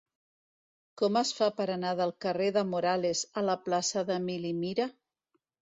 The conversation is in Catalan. Com es fa per anar del carrer de Morales a la plaça d'Emili Mira?